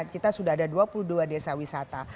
kita sudah ada dua puluh dua desa wisata